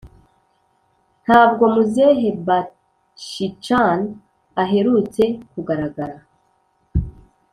ntabwo muzehe bachchan aheruka kugaragara